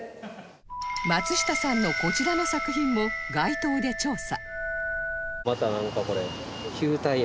松下さんのこちらの作品も街頭で調査